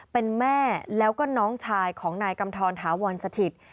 เป็นแม่แล้วก็น้องชายของนายกำธรถาวรสถิต